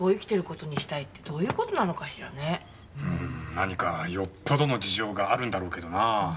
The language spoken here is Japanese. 何かよっぽどの事情があるんだろうけどな。